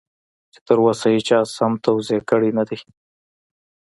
چې تر اوسه هېچا سم توضيح کړی نه دی.